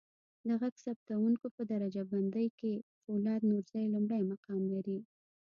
د ږغ ثبتکوونکو په درجه بندی کې فولاد نورزی لمړی مقام لري.